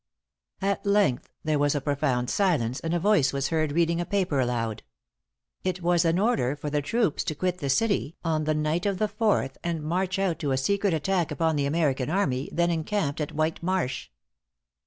At length there was profound silence, and a voice was heard reading a paper aloud. It was an order for the troops to quit the city on the night of the fourth, and march out to a secret attack upon the American army, then encamped at White Marsh.